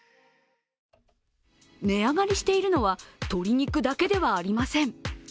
値上がりしているのは鶏肉だけではありません。